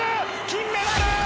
金メダルー！